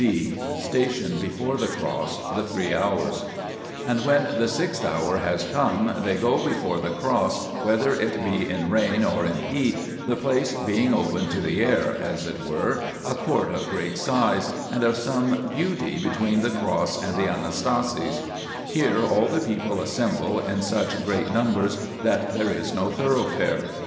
(d) Station before the Cross. The Three Hours. And when the sixth hour has come, they go before the Cross, whether it be in rain or in heat, the place being open to the air, as it were, a court of great size and of some beauty between the Cross and the Anastasis ; here all the people assemble in such great numbers that there is no thoroughfare.